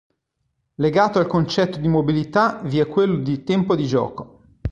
Legato al concetto di mobilità vi è quello di "tempo di gioco".